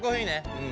うん。